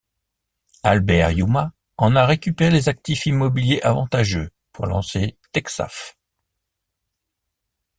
Albert Yuma en a récupéré les actifs immobilier avantageux pour lancer Texaf.